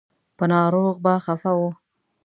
په ناروغ به خفه و.